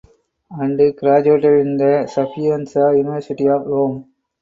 And graduated in the Sapienza University of Rome.